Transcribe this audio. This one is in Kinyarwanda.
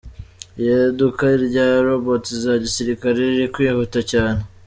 Iyaduka rya ’Robots’ za gisirikare riri kwihuta cyane.